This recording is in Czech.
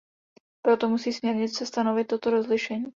Proto musí směrnice stanovit toto rozlišení.